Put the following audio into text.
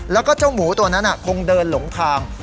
แล้วก็เจ้าหมูตัวนั้นคงเดินหลงทาง